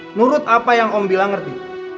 menurut apa yang om bilang ngerti